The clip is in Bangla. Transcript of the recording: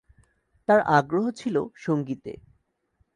তার আগ্রহ ছিল সঙ্গীতে।